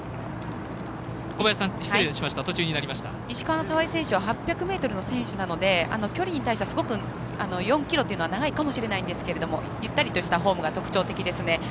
石川選手は８００ｍの選手なので距離に対してはすごく４ｋｍというのは長いかもしれないんですけどゆったりとしたフォームが特徴的ですね。